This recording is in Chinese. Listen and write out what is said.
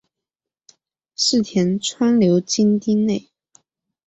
柿田川流经町内。